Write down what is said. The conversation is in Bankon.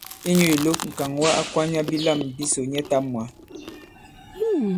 Inyū ìlok, ŋ̀kàŋwa a kwanya bilâm bisò nyɛtām mwǎ.